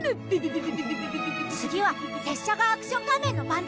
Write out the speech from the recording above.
次は拙者がアクション仮面の番です。